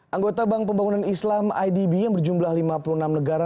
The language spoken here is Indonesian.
anggota bank pembangunan islam idb yang berjumlah lima puluh enam negara